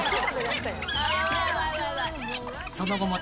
［その後も］